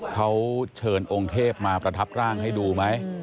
เขาเชิญองค์เทพมาประทับร่างให้ดูไหม